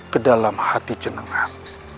kedalam hati cenengan